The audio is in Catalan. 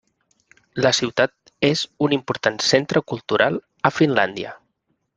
La ciutat és un important centre cultural a Finlàndia.